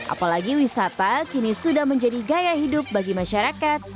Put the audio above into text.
apalagi wisata kini sudah menjadi gaya hidup bagi masyarakat